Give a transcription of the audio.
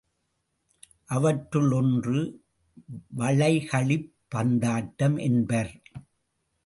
அவற்றுள் ஒன்று வளைகழிப் பந்தாட்டம் என்பர்.